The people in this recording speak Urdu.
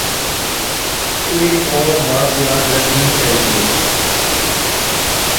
ایک اور بات یاد رکھنی چاہیے۔